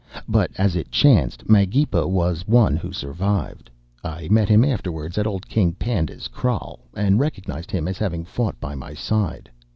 But as it chanced Magepa was one who survived. "I met him afterwards at old King Panda's kraal and recognised him as having fought by my side.